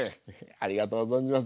ありがとう存じます。